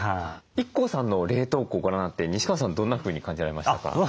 ＩＫＫＯさんの冷凍庫ご覧になって西川さんどんなふうに感じられましたか？